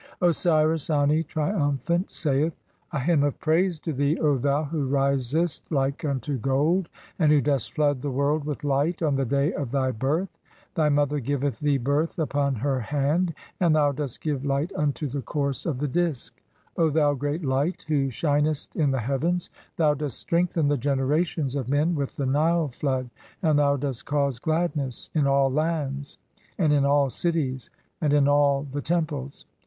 Osiris Ani, triumphant, saith : "A hymn of praise to thee, O "thou who risest like unto gold, and who dost flood the world "with light on the dav of thy birth. Thy mother giveth thee "birth upon [her] hand, and thou dost give light unto the course "of the Disk (33). O thou great Light, who shinest in the heavens, "thou dost strengthen the generations of men with the Nile flood, "and thou dost cause gladness in all lands, and in all cities (34"), "and in all the temples.